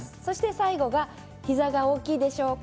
最後は膝が大きいでしょうか。